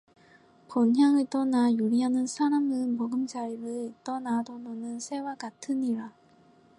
본향을 떠나 유리하는 사람은 보금자리를 떠나 떠도는 새와 같으니라